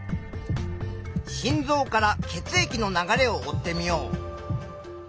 心臓から血液の流れを追ってみよう。